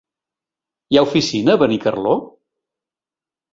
Hi ha oficina a Benicarló?